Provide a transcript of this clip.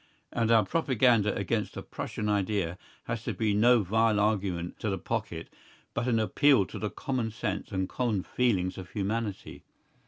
And our propaganda against the Prussian idea has to be no vile argument to the pocket, but an appeal to the common sense and common feeling of humanity.